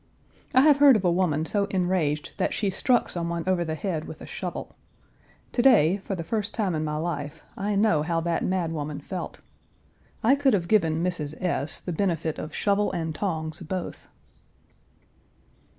I have heard of a woman so enraged that she struck some one over the head with a shovel. To day, for the first time in my life, I know how that mad woman felt. I could have given Mrs. S. the benefit of shovel and tongs both.